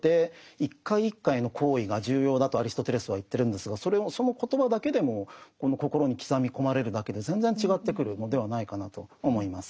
とアリストテレスは言ってるんですがその言葉だけでも心に刻み込まれるだけで全然違ってくるのではないかなと思います。